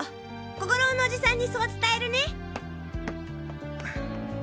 小五郎のオジさんにそう伝えるね。